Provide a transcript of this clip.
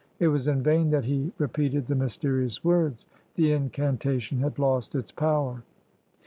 It was in vain that he re peated the mysterious words, the incantation had lost its power.